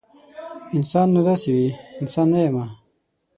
انسان نو داسې وي؟ انسان نه یمه